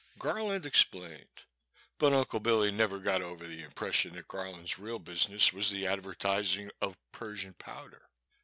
Garland explained, but Uncle Billy never got over the impression that Garland's real business was the advertising of Persian Powder.